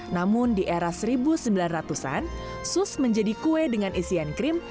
namun di era seribu sembilan ratus an sus menjadi kue dengan isian krim